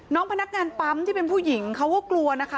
พนักงานปั๊มที่เป็นผู้หญิงเขาก็กลัวนะคะ